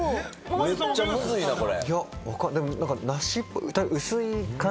めっちゃむずいな、これ。